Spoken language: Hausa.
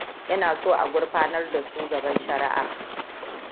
Ina so a gurfanar da su gaban shariʻa.